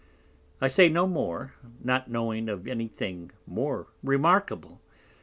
I say no more, not knowing of any thing more remarkable.